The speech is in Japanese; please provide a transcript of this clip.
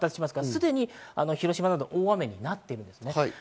すでに広島など大雨になっています。